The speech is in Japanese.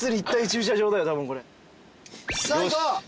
さぁ行こう。